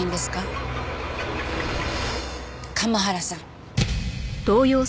釜原さん。